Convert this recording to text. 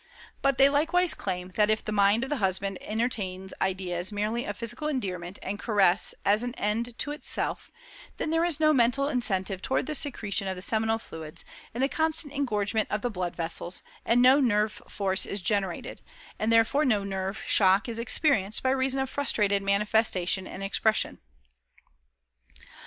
But they likewise claim that if the mind of the husband entertains ideas merely of physical endearment and caress as "an end to itself," then there is no mental incentive toward the secretion of the seminal fluids, and the constant engorgement of the blood vessels, and no nerve force is generated and therefore no nerve shock is experienced by reason of frustrated manifestation and expression.